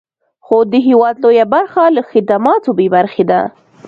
خو د هېواد لویه برخه له خدماتو بې برخې ده.